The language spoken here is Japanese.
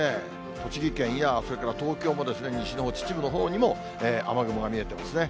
栃木県やそれから東京もですね、西のほう、秩父のほうにも雨雲が見えてますね。